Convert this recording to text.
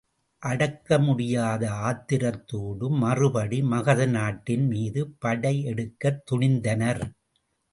அடக்க முடியாத ஆத்திரத்தோடு மறுபடி மகத நாட்டின் மீது படை எடுக்கத் துணிந்தனர்.